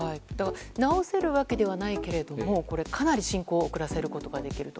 治せるわけではないけれどもかなり進行を遅らせることができると。